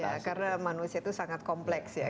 ya karena manusia itu sangat kompleks ya